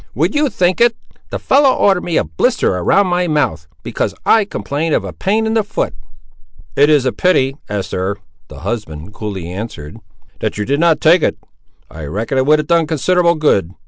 Would you think it, the fellow ordered me a blister around my mouth, because I complained of a pain in the foot?" "It is a pity, Eester," the husband coolly answered, "that you did not take it; I reckon it would have done considerable good.